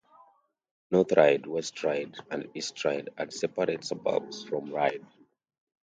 North Ryde, West Ryde, and East Ryde are separate suburbs from Ryde.